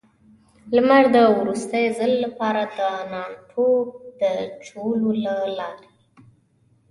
لمر د وروستي ځل لپاره، د ټانټو د چولو له لارې.